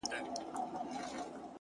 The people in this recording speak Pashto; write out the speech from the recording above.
دا ستا چي گراني ستا تصوير په خوب وويني;